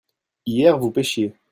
hier vous pêchiez.